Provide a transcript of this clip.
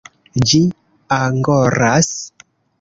Ĝi angoras.